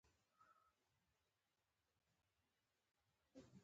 په نړۍ کې پښتانه زنده باد.